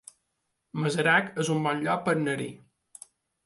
Masarac es un bon lloc per anar-hi